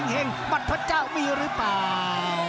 มัดพระเจ้ามีหรือเปล่า